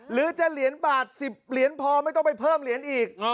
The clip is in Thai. หรือจะเหรียญบาท๑๐เหรียญพอไม่ต้องไปเพิ่มเหรียญอีก